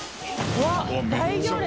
うわっ大行列。